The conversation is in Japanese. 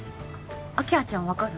明葉ちゃん分かる？